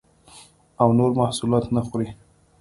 او نور محصولات نه خوري